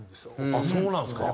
あっそうなんですか。